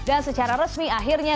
dan secara resmi akhirnya